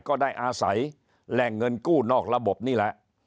ก็ได้อาศัยแหล่งเงินกู้นอกระบบนี่แหละ